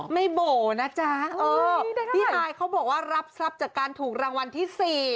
โบ๋นะจ๊ะพี่ฮายเขาบอกว่ารับทรัพย์จากการถูกรางวัลที่๔